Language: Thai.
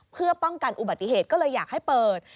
เพื่อป้องกันอุบัติเหตุก็เลยอยากให้เปิด